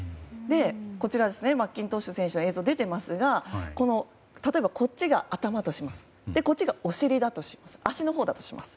こちら、マッキントッシュ選手の映像が出ていますが例えば、こっちが頭でこっちが足のほうだとします。